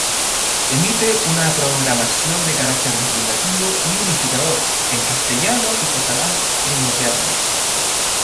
Emite una programación de carácter divulgativo y unificador, en castellano y catalán primordialmente.